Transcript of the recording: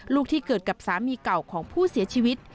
ลูกที่เกิดกับสามีเก่าของผู้เสียชีวิต